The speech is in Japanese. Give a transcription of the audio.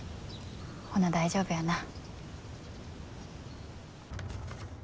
ほな大丈夫やな。